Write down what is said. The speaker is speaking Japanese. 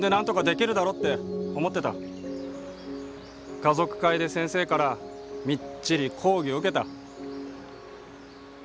家族会で先生からみっちり講義を受けた。